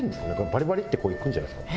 バリバリってこういくんじゃないですか？